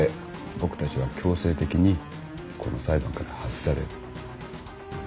僕たちは強制的にこの裁判から外される。